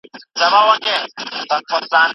د ظالم واکمني هیڅکله دوام نه کوي.